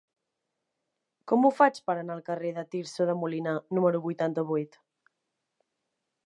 Com ho faig per anar al carrer de Tirso de Molina número vuitanta-vuit?